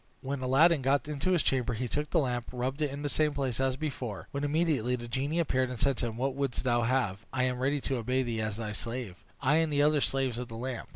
When Aladdin had got into his chamber, he took the lamp, rubbed it in the same place as before, when immediately the genie appeared, and said to him, "What wouldst thou have? I am ready to obey thee as thy slave; I and the other slaves of the lamp."